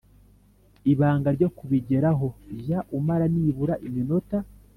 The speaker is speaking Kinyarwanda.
Ibanga ryo kubigeraho Jya umara nibura iminota